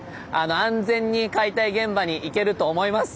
安全に解体現場に行けると思います。